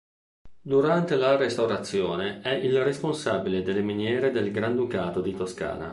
Durante la Restaurazione è il responsabile delle miniere del Granducato di Toscana.